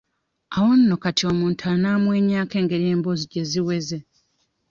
Awo nno kati omuntu anaamwenyaako engeri emboozi gye ziweze.